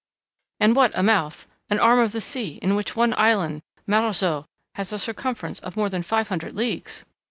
"And what a mouth! An arm of the sea in which one island, Marajo, has a circumference of more than five hundred leagues!"